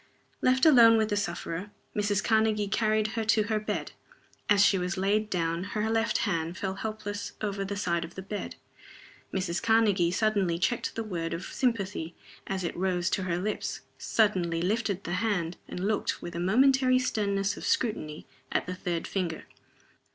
Left alone with the sufferer, Mrs. Karnegie carried her to her bed. As she was laid down her left hand fell helpless over the side of the bed. Mrs. Karnegie suddenly checked the word of sympathy as it rose to her lips suddenly lifted the hand, and looked, with a momentary sternness of scrutiny, at the third finger.